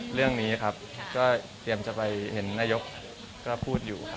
เรื่องนี้ครับก็เตรียมจะไปเห็นนายกก็พูดอยู่ครับ